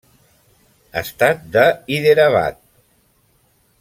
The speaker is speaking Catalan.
Estat de Hyderabad.